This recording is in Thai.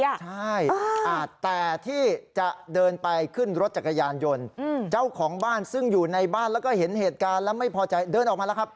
ใช่แต่ที่จะเดินไปขึ้นรถจักรยานยนต์เจ้าของบ้านซึ่งอยู่ในบ้านแล้วก็เห็นเหตุการณ์แล้วไม่พอใจเดินออกมาแล้วครับ